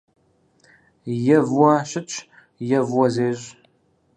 Е выуэ щытщ, е выуэ зещӏ.